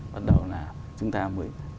bắt đầu là chúng ta mới